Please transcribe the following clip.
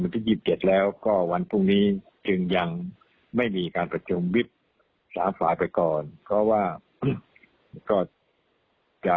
ที่๒๗แล้วก็วันพรุ่งนี้จึงยังไม่มีการประชุมวิบสามฝ่ายไปก่อนเพราะว่าก็จะ